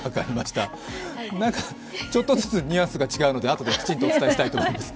ちょっとずつニュアンスが違うのであとできちんとお伝えしたいと思います。